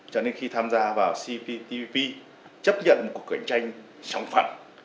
cho nên khi tham gia vào cptpp chấp nhận một cuộc cạnh tranh sòng phẳng